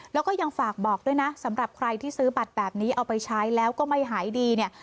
แล้วก็ยังฝากบอกด้วยนะสำหรับใครที่ซื้อบัตรแบบนี้เอาไปใช้แล้วก็ไม่หายดีเนี่ย